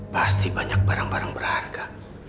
pasti banyak barang barang berharga